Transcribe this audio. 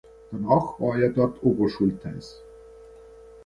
Danach war er dort Oberschultheiß.